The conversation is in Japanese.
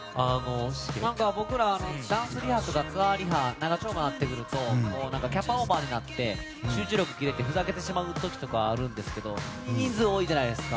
僕ら、ダンスリハとかツアーリハが長丁場になってくるとキャパオーバーになって集中力切れてふざけてしまう時があるんですが人数多いじゃないですか。